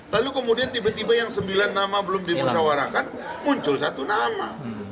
lalu kemudian tiba tiba yang sembilan nama belum dimusyawarakan muncul satu nama